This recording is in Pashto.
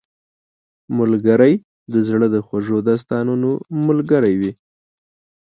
ملګری د زړه د خوږو داستانونو ملګری وي